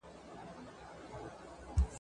هر کور ته رڼا ورسوئ.